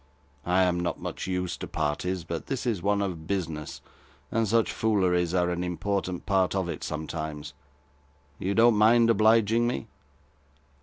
I am not much used to parties; but this is one of business, and such fooleries are an important part of it sometimes. You don't mind obliging me?